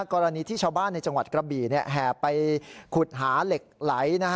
กรณีที่ชาวบ้านในจังหวัดกระบี่แห่ไปขุดหาเหล็กไหล